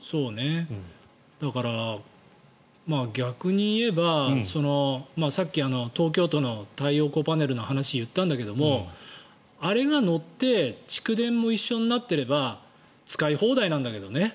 だから逆に言えばさっき東京の太陽光パネルの話を言ったんだけども、あれが乗って蓄電も一緒になってれば使い放題なんだけどね。